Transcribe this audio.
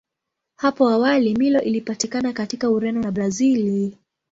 Hapo awali Milo ilipatikana katika Ureno na Brazili.